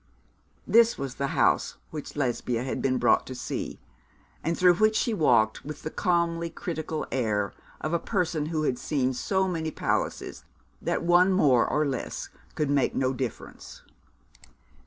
This was the house which Lesbia had been brought to see, and through which she walked with the calmly critical air of a person who had seen so many palaces that one more or less could make no difference.